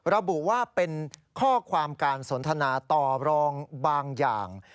ระบุว่าเป็นข้อความการสนทนาต่อรองบางอย่าง